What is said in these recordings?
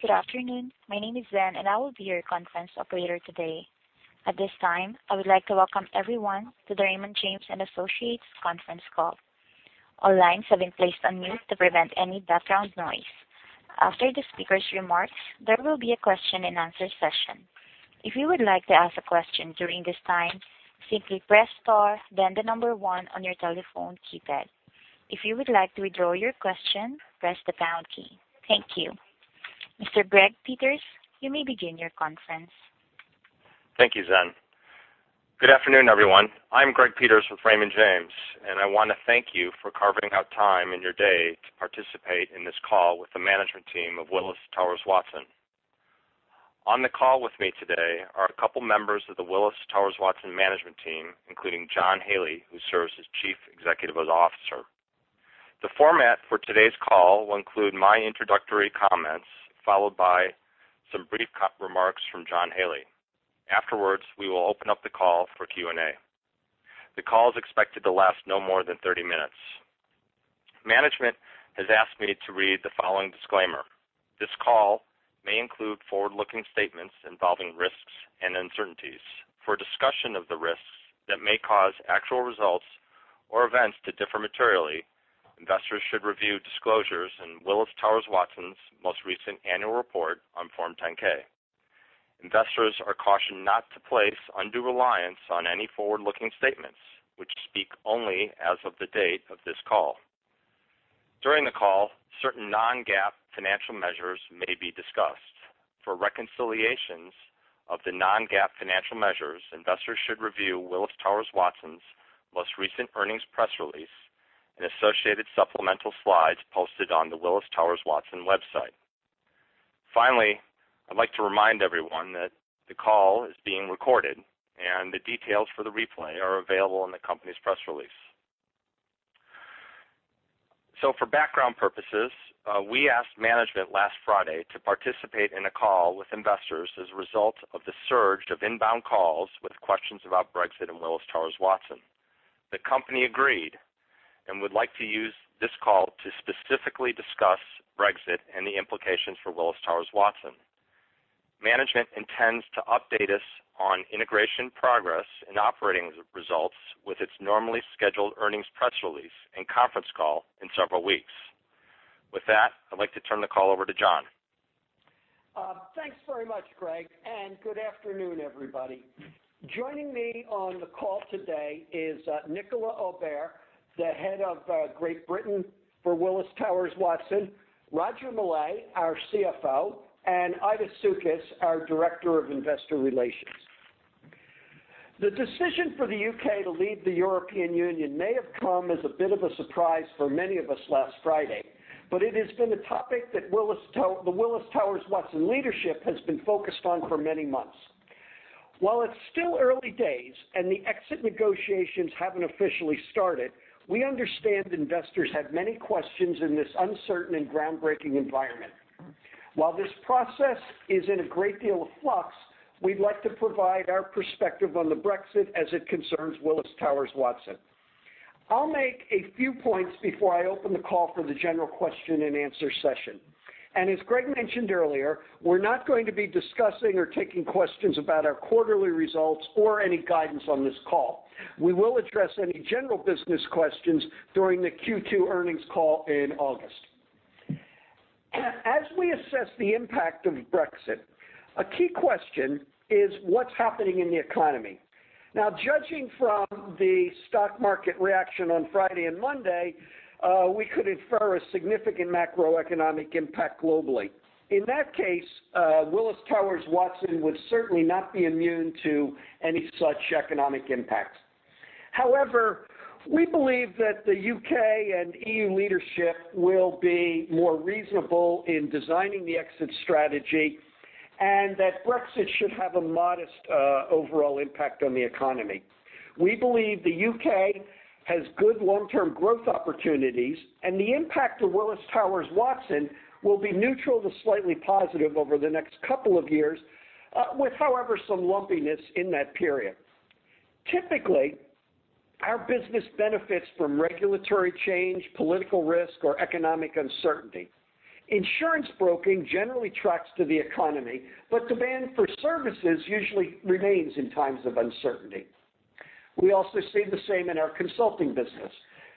Good afternoon. My name is Zen, and I will be your conference operator today. At this time, I would like to welcome everyone to the Raymond James & Associates conference call. All lines have been placed on mute to prevent any background noise. After the speaker's remarks, there will be a question and answer session. If you would like to ask a question during this time, simply press star then the number one on your telephone keypad. If you would like to withdraw your question, press the pound key. Thank you. Mr. Greg Peters, you may begin your conference. Thank you, Zen. Good afternoon, everyone. I'm Greg Peters with Raymond James, I want to thank you for carving out time in your day to participate in this call with the management team of Willis Towers Watson. On the call with me today are a couple members of the Willis Towers Watson management team, including John Haley, who serves as Chief Executive Officer. The format for today's call will include my introductory comments, followed by some brief remarks from John Haley. Afterwards, we will open up the call for Q&A. The call is expected to last no more than 30 minutes. Management has asked me to read the following disclaimer. This call may include forward-looking statements involving risks and uncertainties. For a discussion of the risks that may cause actual results or events to differ materially, investors should review disclosures in Willis Towers Watson's most recent annual report on Form 10-K. Investors are cautioned not to place undue reliance on any forward-looking statements, which speak only as of the date of this call. During the call, certain non-GAAP financial measures may be discussed. For reconciliations of the non-GAAP financial measures, investors should review Willis Towers Watson's most recent earnings press release and associated supplemental slides posted on the Willis Towers Watson website. Finally, I'd like to remind everyone that the call is being recorded, and the details for the replay are available in the company's press release. For background purposes, we asked management last Friday to participate in a call with investors as a result of the surge of inbound calls with questions about Brexit and Willis Towers Watson. The company agreed and would like to use this call to specifically discuss Brexit and the implications for Willis Towers Watson. Management intends to update us on integration progress and operating results with its normally scheduled earnings press release and conference call in several weeks. With that, I'd like to turn the call over to John. Thanks very much, Greg, good afternoon, everybody. Joining me on the call today is Nicolas Aubert, the Head of Great Britain for Willis Towers Watson, Roger Millay, our CFO, and [Ida Schukis], our Director of Investor Relations. The decision for the U.K. to leave the European Union may have come as a bit of a surprise for many of us last Friday, it has been a topic that the Willis Towers Watson leadership has been focused on for many months. While it is still early days and the exit negotiations haven't officially started, we understand investors have many questions in this uncertain and groundbreaking environment. While this process is in a great deal of flux, we would like to provide our perspective on Brexit as it concerns Willis Towers Watson. I will make a few points before I open the call for the general question and answer session. As Greg mentioned earlier, we are not going to be discussing or taking questions about our quarterly results or any guidance on this call. We will address any general business questions during the Q2 earnings call in August. As we assess the impact of Brexit, a key question is what is happening in the economy. Judging from the stock market reaction on Friday and Monday, we could infer a significant macroeconomic impact globally. In that case, Willis Towers Watson would certainly not be immune to any such economic impacts. We believe that the U.K. and EU leadership will be more reasonable in designing the exit strategy and that Brexit should have a modest overall impact on the economy. We believe the U.K. has good long-term growth opportunities and the impact to Willis Towers Watson will be neutral to slightly positive over the next couple of years, with however some lumpiness in that period. Typically, our business benefits from regulatory change, political risk, or economic uncertainty. Insurance broking generally tracks to the economy, demand for services usually remains in times of uncertainty. We also see the same in our consulting business.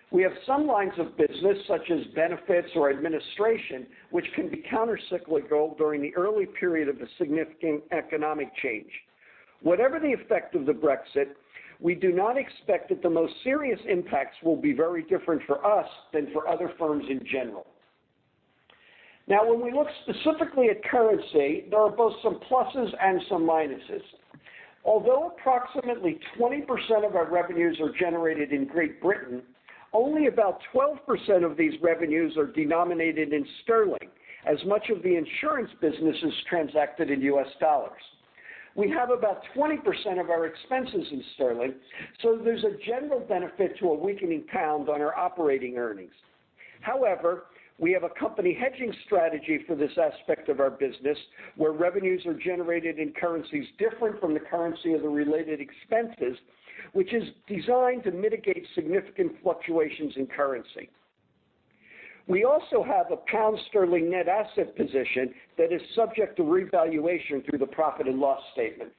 We have some lines of business, such as benefits or administration, which can be counter-cyclical during the early period of a significant economic change. Whatever the effect of Brexit, we do not expect that the most serious impacts will be very different for us than for other firms in general. When we look specifically at currency, there are both some pluses and some minuses. Although approximately 20% of our revenues are generated in Great Britain, only about 12% of these revenues are denominated in sterling, as much of the insurance business is transacted in USD. We have about 20% of our expenses in sterling, there is a general benefit to a weakening pound on our operating earnings. We have a company hedging strategy for this aspect of our business where revenues are generated in currencies different from the currency of the related expenses, which is designed to mitigate significant fluctuations in currency. We also have a pound sterling net asset position that is subject to revaluation through the profit and loss statement.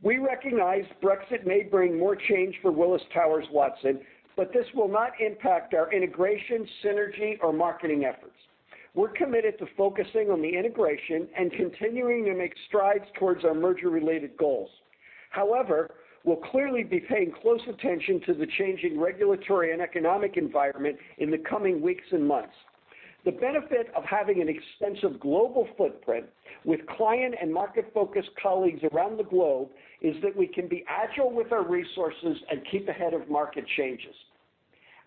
We recognize Brexit may bring more change for Willis Towers Watson, this will not impact our integration, synergy, or marketing efforts. We are committed to focusing on the integration and continuing to make strides towards our merger-related goals. We'll clearly be paying close attention to the changing regulatory and economic environment in the coming weeks and months. The benefit of having an extensive global footprint with client and market-focused colleagues around the globe is that we can be agile with our resources and keep ahead of market changes.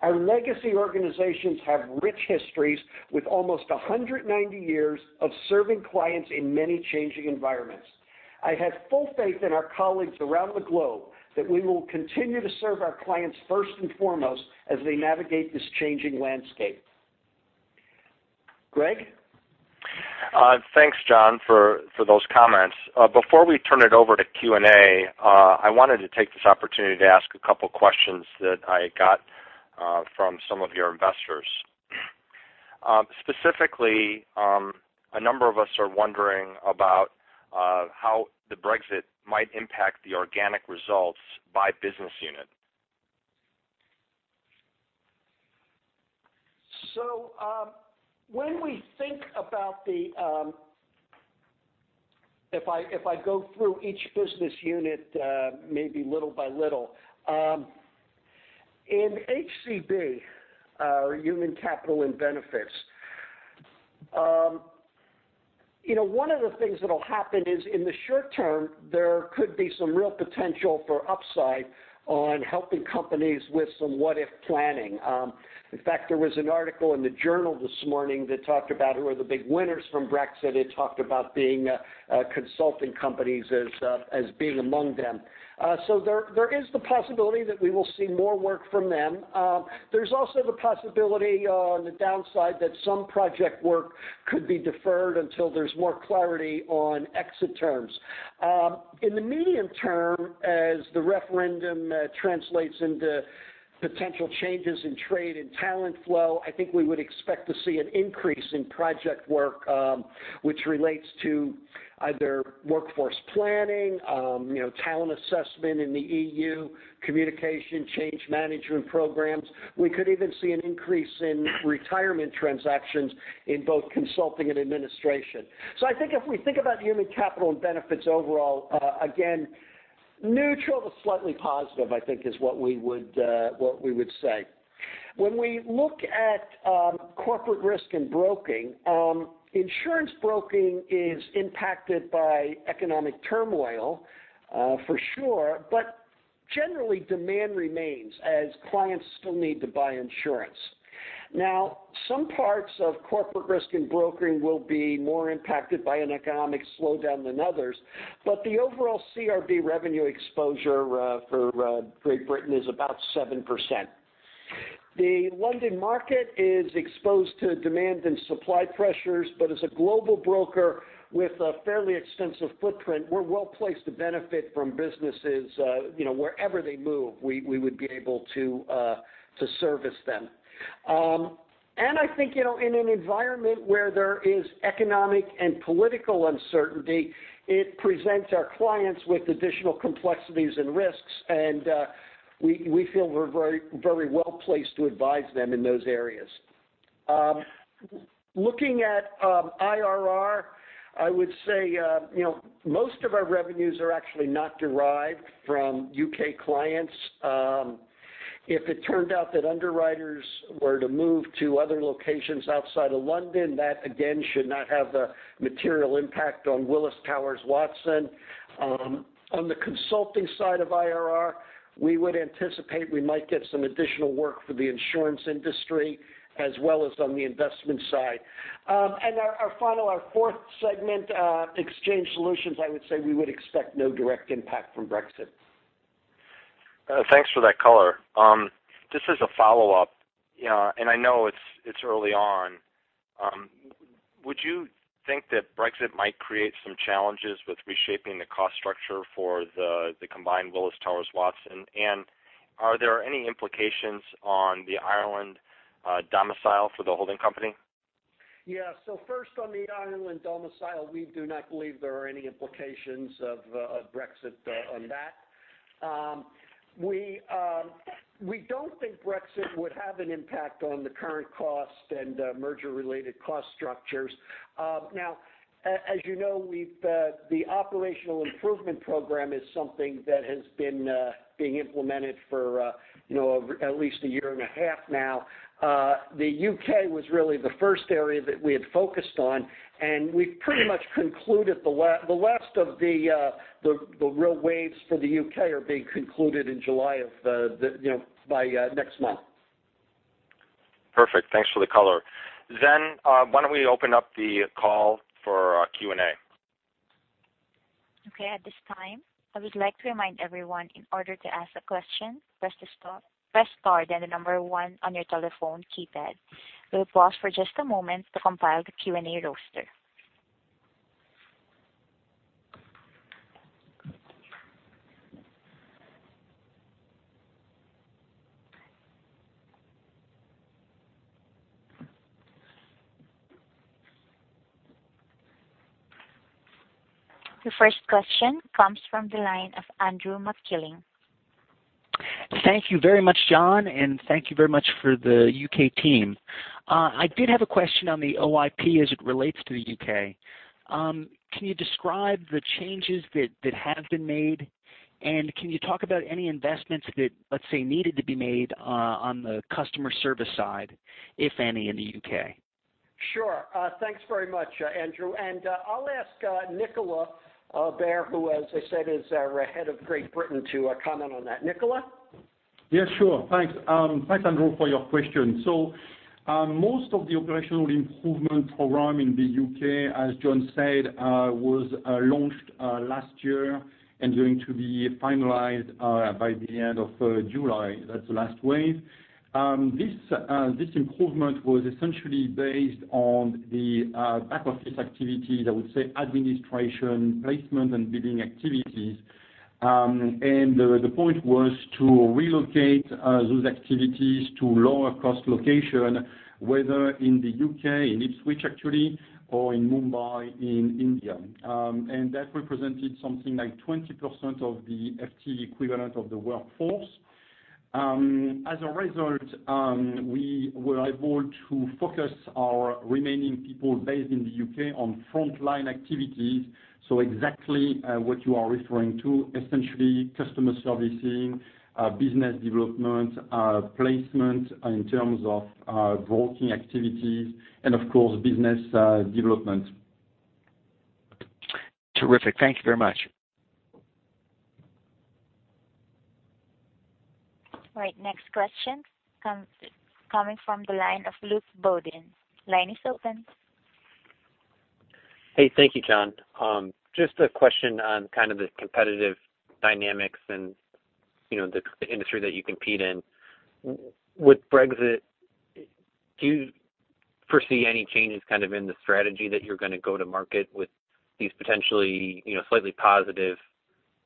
Our legacy organizations have rich histories with almost 190 years of serving clients in many changing environments. I have full faith in our colleagues around the globe that we will continue to serve our clients first and foremost as they navigate this changing landscape. Greg? Thanks, John, for those comments. Before we turn it over to Q&A, I wanted to take this opportunity to ask a couple questions that I got from some of your investors. Specifically, a number of us are wondering about how the Brexit might impact the organic results by business unit. When we think about If I go through each business unit, maybe little by little. In HCB, our human capital and benefits, one of the things that'll happen is, in the short term, there could be some real potential for upside on helping companies with some what-if planning. In fact, there was an article in the journal this morning that talked about who are the big winners from Brexit. It talked about consulting companies as being among them. There is the possibility that we will see more work from them. There's also the possibility on the downside that some project work could be deferred until there's more clarity on exit terms. In the medium term, as the referendum translates into potential changes in trade and talent flow, I think we would expect to see an increase in project work, which relates to either workforce planning, talent assessment in the EU, communication change management programs. We could even see an increase in retirement transactions in both consulting and administration. I think if we think about Human Capital and Benefits overall, again, neutral to slightly positive, I think is what we would say. When we look at Corporate Risk and Broking, insurance broking is impacted by economic turmoil for sure, but generally, demand remains as clients still need to buy insurance. Now, some parts of Corporate Risk and Broking will be more impacted by an economic slowdown than others, but the overall CRB revenue exposure for Great Britain is about 7%. The London market is exposed to demand and supply pressures, but as a global broker with a fairly extensive footprint, we're well-placed to benefit from businesses wherever they move, we would be able to service them. I think, in an environment where there is economic and political uncertainty, it presents our clients with additional complexities and risks, and we feel we're very well-placed to advise them in those areas. Looking at IRR, I would say most of our revenues are actually not derived from U.K. clients. If it turned out that underwriters were to move to other locations outside of London, that again should not have a material impact on Willis Towers Watson. On the consulting side of IRR, we would anticipate we might get some additional work for the insurance industry as well as on the investment side. Our final, our fourth segment, Exchange Solutions, I would say we would expect no direct impact from Brexit. Thanks for that color. Just as a follow-up, I know it's early on, would you think that Brexit might create some challenges with reshaping the cost structure for the combined Willis Towers Watson? Are there any implications on the Ireland domicile for the holding company? Yeah. First, on the Ireland domicile, we do not believe there are any implications of Brexit on that. We don't think Brexit would have an impact on the current cost and merger-related cost structures. As you know, the operational improvement program is something that has been being implemented for at least a year and a half now. The U.K. was really the first area that we had focused on, we've pretty much concluded the last of the real waves for the U.K. are being concluded in July, by next month. Perfect. Thanks for the color. Zen, why don't we open up the call for Q&A? Okay. At this time, I would like to remind everyone, in order to ask a question, press star, then the number one on your telephone keypad. We'll pause for just a moment to compile the Q&A roster. The first question comes from the line of Andrew Kligerman. Thank you very much, John, and thank you very much for the U.K. team. I did have a question on the OIP as it relates to the U.K. Can you describe the changes that have been made, and can you talk about any investments that, let's say, needed to be made on the customer service side, if any, in the U.K.? Sure. Thanks very much, Andrew, and I'll ask Nicolas Aubert, who as I said, is our Head of Great Britain, to comment on that. Nicolas? Thanks, Andrew, for your question. Most of the operational improvement program in the U.K., as John said, was launched last year and going to be finalized by the end of July. That's the last wave. This improvement was essentially based on the back-office activities, I would say administration, placement, and bidding activities. The point was to relocate those activities to lower-cost locations, whether in the U.K., in Ipswich actually, or in Mumbai, in India. That represented something like 20% of the FTE equivalent of the workforce. As a result, we were able to focus our remaining people based in the U.K. on frontline activities, so exactly what you are referring to, essentially customer servicing, business development, placement in terms of broking activities, and of course, business development. Terrific. Thank you very much. Right, next question coming from the line of Luke Boding. Line is open. Hey, thank you, John. Just a question on kind of the competitive dynamics and the industry that you compete in. With Brexit, do you foresee any changes in the strategy that you're going to go to market with these potentially slightly positive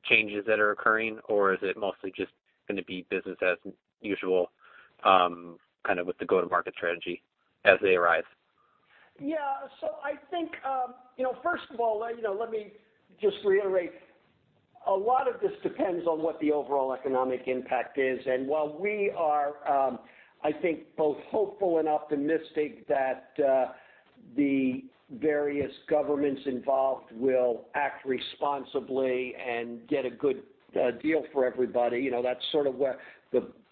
changes that are occurring? Is it mostly just going to be business as usual with the go-to-market strategy as they arise? First of all, let me just reiterate, a lot of this depends on what the overall economic impact is, and while we are both hopeful and optimistic that the various governments involved will act responsibly and get a good deal for everybody, that's sort of where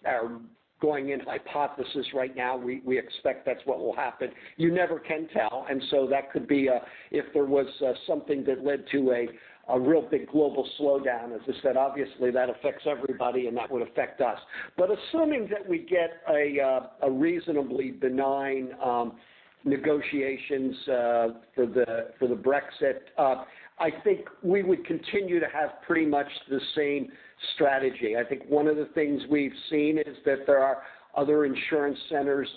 our going-in hypothesis right now, we expect that's what will happen. You never can tell, that could be if there was something that led to a real big global slowdown, as I said, obviously that affects everybody, and that would affect us. Assuming that we get a reasonably benign negotiations for the Brexit, I think we would continue to have pretty much the same strategy. I think one of the things we've seen is that there are other insurance centers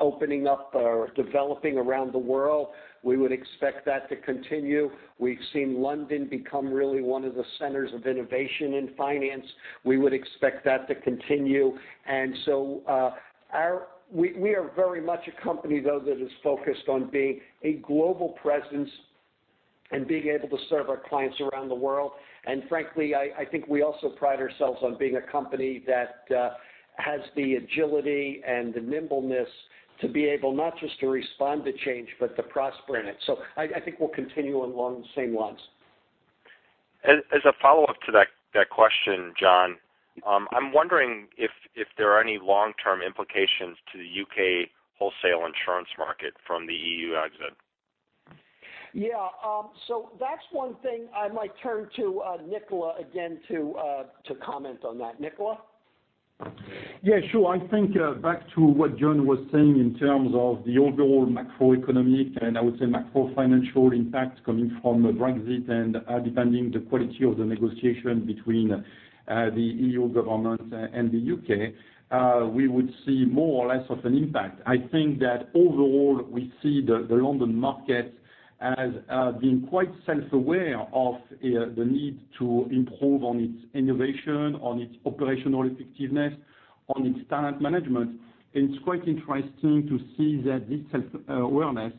opening up or developing around the world. We would expect that to continue. We've seen London become really one of the centers of innovation in finance. We would expect that to continue. We are very much a company, though, that is focused on being a global presence and being able to serve our clients around the world. Frankly, I think we also pride ourselves on being a company that has the agility and the nimbleness to be able not just to respond to change, but to prosper in it. I think we'll continue along the same lines. As a follow-up to that question, John, I'm wondering if there are any long-term implications to the U.K. wholesale insurance market from the EU exit. That's one thing I might turn to Nicolas again to comment on that. Nicolas? Yeah, sure. I think back to what John was saying in terms of the overall macroeconomic, and I would say macro financial impact coming from Brexit, depending the quality of the negotiation between the EU government and the U.K., we would see more or less of an impact. I think that overall, we see the London market as being quite self-aware of the need to improve on its innovation, on its operational effectiveness, on its talent management. It's quite interesting to see that this self-awareness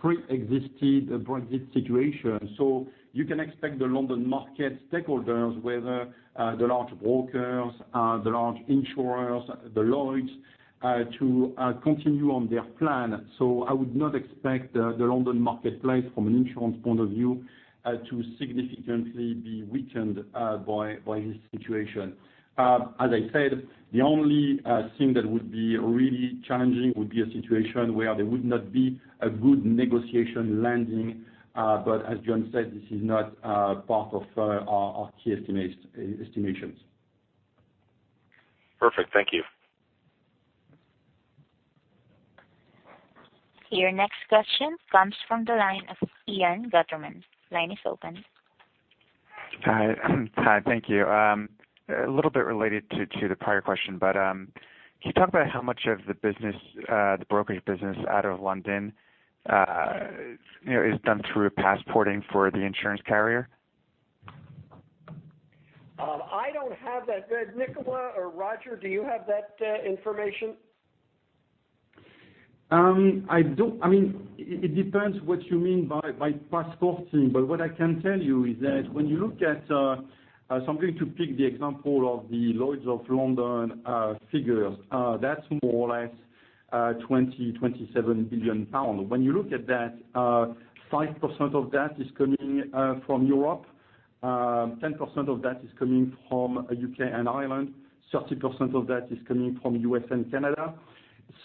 preexisted the Brexit situation. You can expect the London market stakeholders, whether the large brokers, the large insurers, the Lloyd's, to continue on their plan. I would not expect the London marketplace from an insurance point of view to significantly be weakened by this situation. As I said, the only thing that would be really challenging would be a situation where there would not be a good negotiation landing. As John said, this is not part of our key estimations. Perfect. Thank you. Your next question comes from the line of Ian Gutterman. Line is open. Hi. Thank you. A little bit related to the prior question, can you talk about how much of the brokerage business out of London is done through passporting for the insurance carrier? I have that. Nicolas or Roger, do you have that information? It depends what you mean by passporting. What I can tell you is that when you look at, I'm going to pick the example of the Lloyd's of London figures. That's more or less 20 billion pounds, 27 billion pounds. When you look at that, 5% of that is coming from Europe, 10% of that is coming from U.K. and Ireland, 30% of that is coming from U.S. and Canada.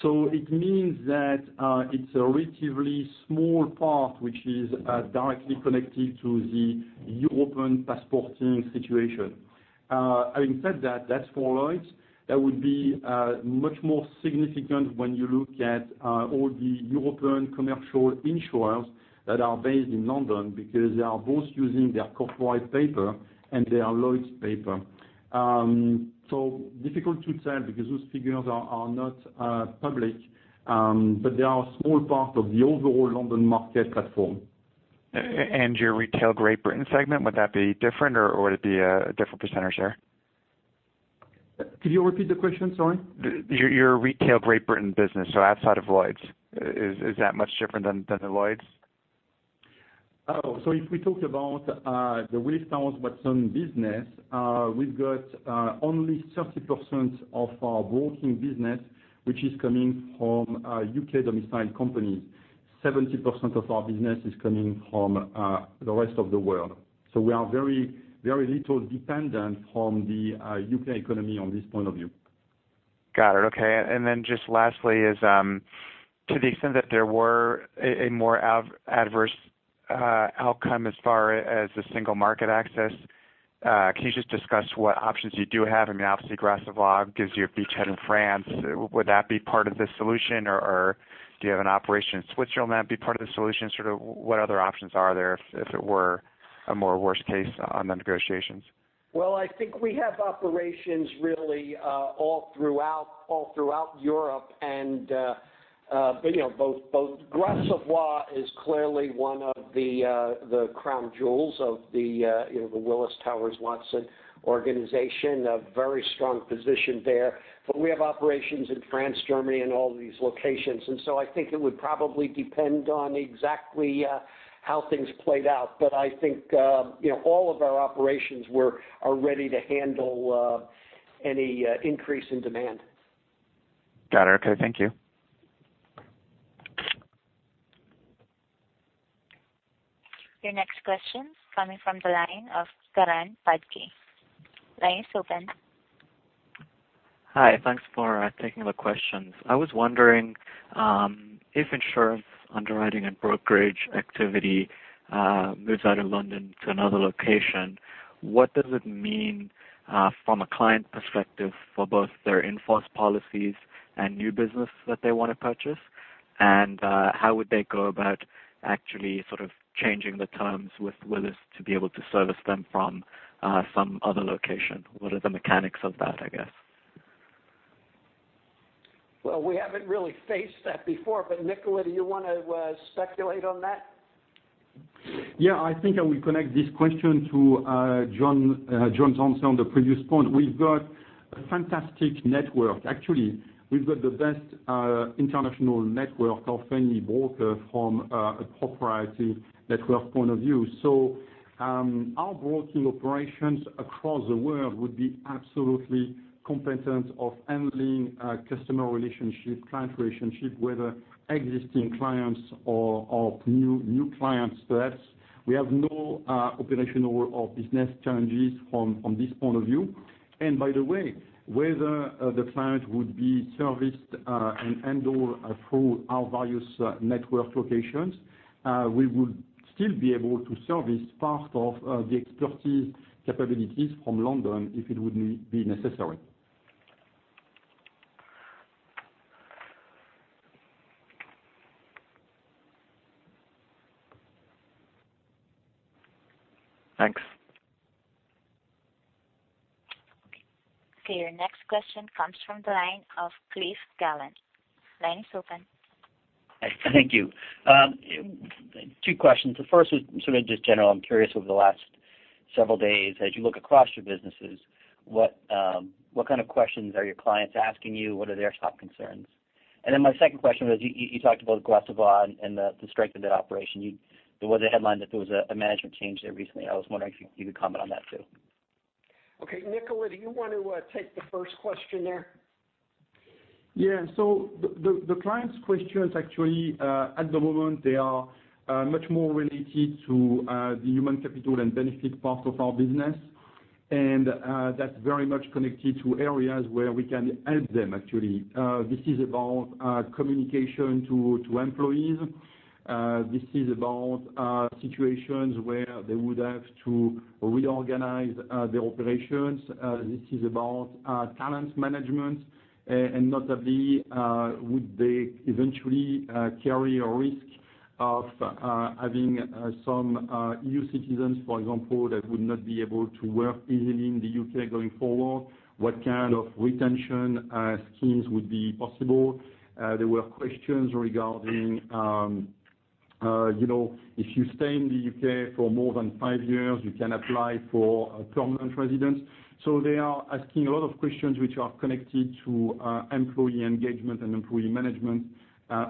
It means that it's a relatively small part, which is directly connected to the European passporting situation. Having said that's for Lloyd's. That would be much more significant when you look at all the European commercial insurers that are based in London because they are both using their corporate paper and their Lloyd's paper. Difficult to tell, because those figures are not public. They are a small part of the overall London market platform. Your retail Great Britain segment, would that be different, or would it be a different percentage there? Could you repeat the question? Sorry. Your retail Great Britain business, outside of Lloyd's. Is that much different than the Lloyd's? If we talk about the Willis Towers Watson business, we've got only 30% of our broking business, which is coming from U.K. domiciled companies. 70% of our business is coming from the rest of the world. We are very little dependent on the U.K. economy on this point of view. Got it. Okay. Then just lastly is, to the extent that there were a more adverse outcome as far as the single market access, can you just discuss what options you do have? Obviously, Gras Savoye gives you a beachhead in France. Would that be part of the solution, or do you have an operation in Switzerland that would be part of the solution? Sort of what other options are there if it were a more worst case on the negotiations? Well, I think we have operations really all throughout Europe. Gras Savoye is clearly one of the crown jewels of the Willis Towers Watson organization, a very strong position there. We have operations in France, Germany, and all these locations. I think it would probably depend on exactly how things played out. I think all of our operations are ready to handle any increase in demand. Got it. Okay. Thank you. Your next question's coming from the line of Karan Padki. Line is open. Hi. Thanks for taking the questions. I was wondering if insurance underwriting and brokerage activity moves out of London to another location, what does it mean from a client perspective for both their in-force policies and new business that they want to purchase? How would they go about actually sort of changing the terms with Willis to be able to service them from some other location? What are the mechanics of that, I guess? Well, we haven't really faced that before, Nicolas, do you want to speculate on that? Yeah, I think I will connect this question to John. John's on the previous point. We've got a fantastic network. Actually, we've got the best international network of any broker from a proprietary network point of view. Our broking operations across the world would be absolutely competent of handling customer relationship, client relationship, whether existing clients or new clients to us. We have no operational or business challenges from this point of view. By the way, whether the client would be serviced and handled through our various network locations, we would still be able to service part of the expertise capabilities from London if it would be necessary. Thanks. Okay. Your next question comes from the line of Cliff Gallant. Line is open. Thank you. Two questions. The first was sort of just general. I'm curious, over the last several days, as you look across your businesses, what kind of questions are your clients asking you? What are their top concerns? My second question was, you talked about Gras Savoye and the strength of that operation. There was a headline that there was a management change there recently. I was wondering if you could comment on that, too. Okay, Nicolas, do you want to take the first question there? Yeah. The client's questions actually at the moment, they are much more related to the human capital and benefit part of our business. That's very much connected to areas where we can help them, actually. This is about communication to employees. This is about situations where they would have to reorganize their operations. This is about talent management, and notably would they eventually carry a risk of having some EU citizens, for example, that would not be able to work easily in the U.K. going forward. What kind of retention schemes would be possible? There were questions regarding If you stay in the U.K. for more than five years, you can apply for permanent residence. They are asking a lot of questions which are connected to employee engagement and employee management,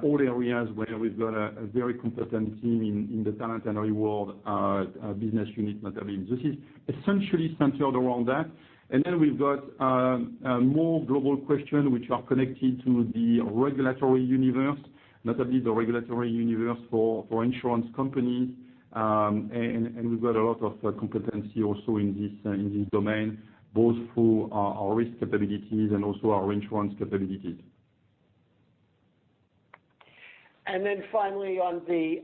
all areas where we've got a very competent team in the Talent and Reward Business Unit, notably. This is essentially centered around that. We've got more global questions which are connected to the regulatory universe, notably the regulatory universe for insurance companies. We've got a lot of competency also in this domain, both through our risk capabilities and also our insurance capabilities. Finally on the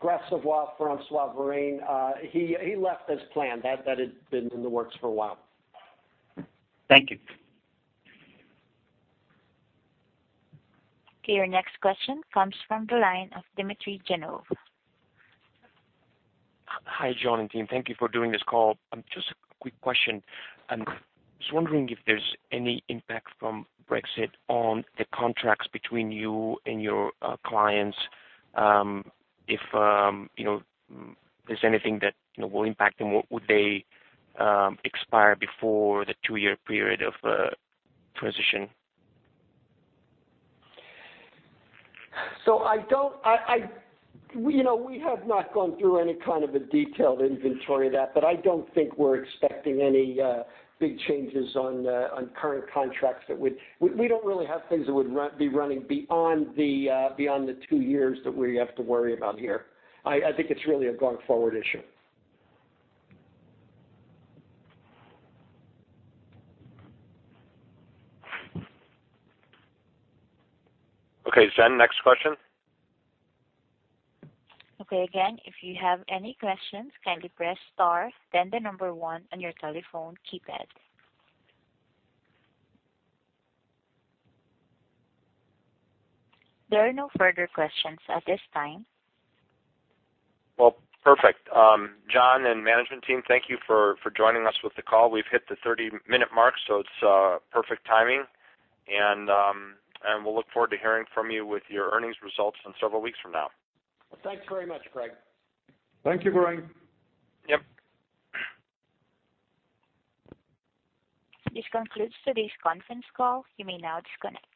Gras Savoye François Varin, he left as planned. That had been in the works for a while. Thank you. Your next question comes from the line of Dmitry Gratvol. Hi, John and team. Thank you for doing this call. Just a quick question. I'm just wondering if there's any impact from Brexit on the contracts between you and your clients. If there's anything that will impact them, would they expire before the two-year period of transition? We have not gone through any kind of a detailed inventory of that. I don't think we're expecting any big changes on current contracts. We don't really have things that would be running beyond the two years that we have to worry about here. I think it's really a going forward issue. Okay, Zen, next question. Okay. Again, if you have any questions, kindly press star, then the number one on your telephone keypad. There are no further questions at this time. Well, perfect. John and management team, thank you for joining us with the call. We've hit the 30-minute mark, so it's perfect timing. We'll look forward to hearing from you with your earnings results in several weeks from now. Well, thanks very much, Greg. Thank you, Greg. Yep. This concludes today's conference call. You may now disconnect.